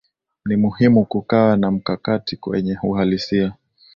ni muhimu kukawa na mkakati wenye uhalisia